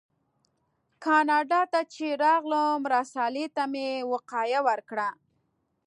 کاناډا ته چې راغلم رسالې ته مې وقایه ورکړه.